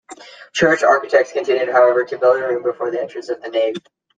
Church architects continued, however, to build a room before the entrance of the nave.